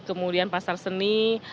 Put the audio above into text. kemudian pasar seni